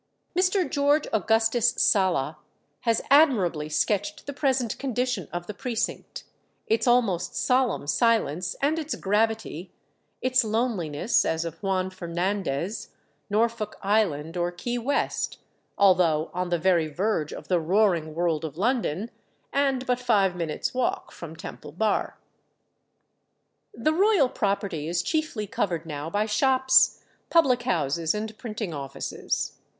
Mr. George Augustus Sala has admirably sketched the present condition of the Precinct, its almost solemn silence and its gravity, its loneliness, as of Juan Fernandez, Norfolk Island, or Key West, although on the very verge of the roaring world of London, and but five minutes' walk from Temple Bar. The royal property is chiefly covered now by shops, public houses, and printing offices.